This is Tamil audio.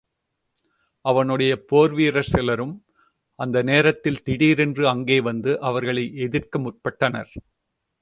அவனுடைய போர் வீரர் சிலரும், அந்த நேரத்தில் திடீரென்று அங்கே வந்து அவர்களை எதிர்க்க முற்பட்டனர்.